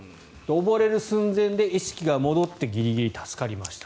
溺れる寸前で意識が戻ってギリギリ助かりました。